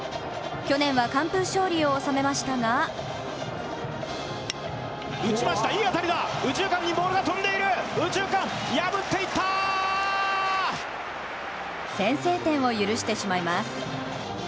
去年は完封勝利を収めましたが先制点を許してしまいます。